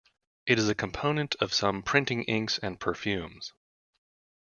It is a component of some printing inks and perfumes.